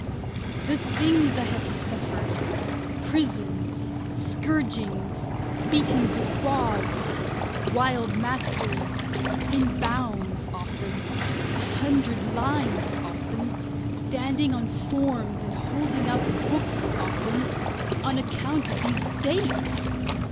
The things I have suffered prisons, scourgings, beating with rods, wild masters, in bounds often, a hundred lines often, standing on forms and holding out books often on account of these dates!